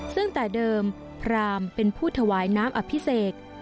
ซึ่งแต่เดิมพรามเป็นผู้ถวายน้ำอภิเษก